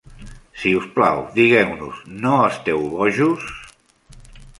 Si us plau, digueu-nos: "No esteu bojos?"